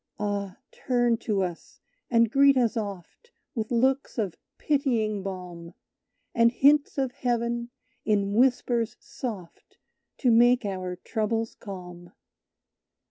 "Ah! turn to us, and greet us oft With looks of pitying balm, And hints of heaven, in whispers soft, To make our troubles calm.